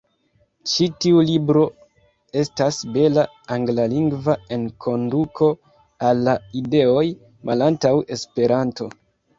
Ĉi tiu libro estas bela anglalingva enkonduko al la ideoj malantaŭ Esperanto.